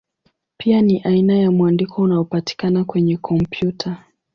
Pia ni aina ya mwandiko unaopatikana kwenye kompyuta.